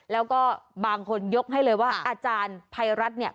แล้วก็บางคนยกให้เลยว่าอาจารย์ภัยรัฐเนี่ย